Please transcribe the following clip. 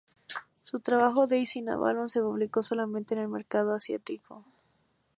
Su trabajo "Days in Avalon" se publicó solamente en el mercado asiático.